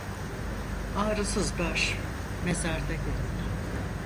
Ağrısız baş mezarda gerek.